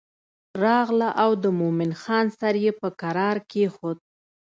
راغله او د مومن خان سر یې په کرار کېښود.